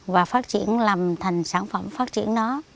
và phát triển làm thành sản phẩm phát triển nó